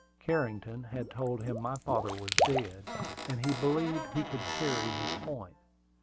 Carrington had told him my father was dead, and he believed he could carry his point.